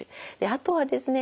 あとはですね